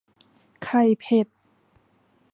ไข่เผ็ด